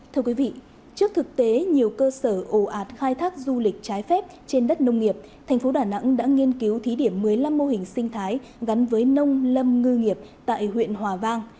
thưa quý vị trước thực tế nhiều cơ sở ồ ạt khai thác du lịch trái phép trên đất nông nghiệp thành phố đà nẵng đã nghiên cứu thí điểm một mươi năm mô hình sinh thái gắn với nông lâm ngư nghiệp tại huyện hòa vang